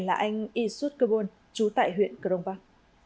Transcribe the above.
là anh isud kebon chú tại huyện crong park